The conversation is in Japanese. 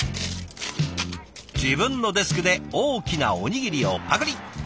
自分のデスクで大きなおにぎりをパクリ！